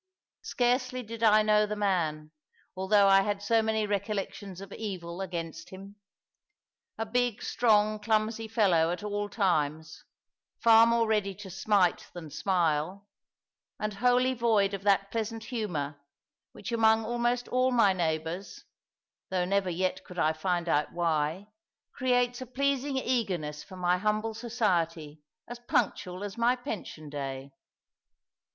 Scarcely did I know the man, although I had so many recollections of evil against him. A big, strong, clumsy fellow at all times, far more ready to smite than smile, and wholly void of that pleasant humour, which among almost all my neighbours though never yet could I find out why creates a pleasing eagerness for my humble society as punctual as my pension day.